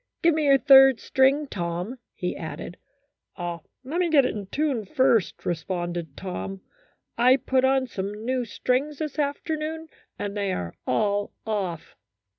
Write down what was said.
Give me your third string, Tom," he added. " Let me get in tune first," responded Tom. " I put on some new strings this afternoon, and they are all off."